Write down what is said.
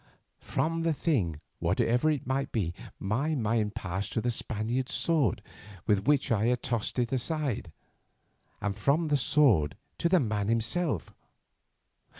From the thing, whatever it might be, my mind passed to the Spaniard's sword with which I had tossed it aside, and from the sword to the man himself.